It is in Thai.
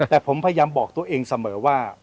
แต่ผมพยายามบอกตัวเองเสมอว่า